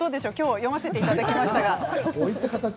読ませていただきました。